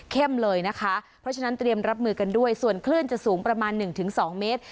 เลยนะคะเพราะฉะนั้นเตรียมรับมือกันด้วยส่วนคลื่นจะสูงประมาณ๑๒เมตร